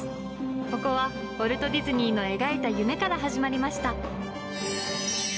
ここはウォルト・ディズニーの描いた夢から始まりました。